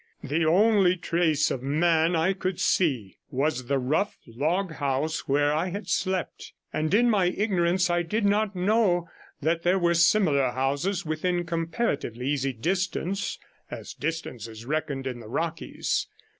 The only trace of man I could see was the rough log house where I had slept, and in my ignorance I did not know that there were similar houses within comparatively easy distance, as distance is reckoned in the Rockies.